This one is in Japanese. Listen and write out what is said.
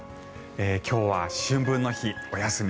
今日は春分の日、お休み。